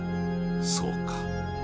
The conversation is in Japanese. そうか！